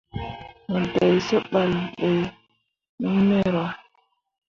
Mo ɗai seɓal ɓe iŋ mero.